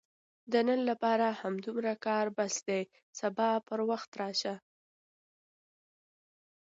د نن لپاره همدومره کار بس دی، سبا پر وخت راشئ!